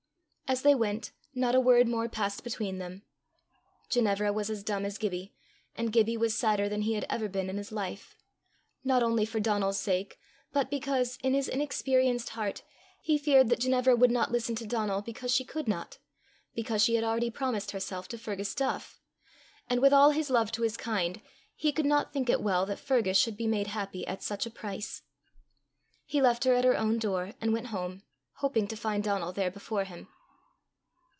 As they went, not a word more passed between them. Ginevra was as dumb as Gibbie, and Gibbie was sadder than he had ever been in his life not only for Donal's sake, but because, in his inexperienced heart, he feared that Ginevra would not listen to Donal because she could not because she had already promised herself to Fergus Duff; and with all his love to his kind, he could not think it well that Fergus should be made happy at such a price. He left her at her own door, and went home, hoping to find Donal there before him.